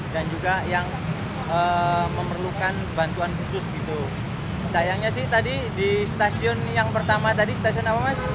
dan juga yang memerlukan bantuan khusus gitu sayangnya sih tadi di stasiun yang pertama tadi stasiun apa mas